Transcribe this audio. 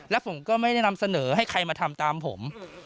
และผมก็ไม่ได้นำเสนอให้ใครมาทำตามผม